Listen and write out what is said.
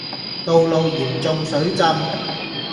道路嚴重水浸